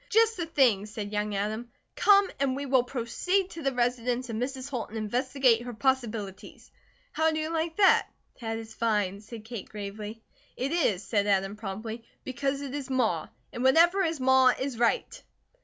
"Just the thing!" said young Adam. "Come and we will proceed to the residence of Mrs. Holt and investigate her possibilities. How do you like that?" "That is fine," said Kate gravely. "It is," said Adam, promptly, "because it is Ma. And whatever is Ma, is right."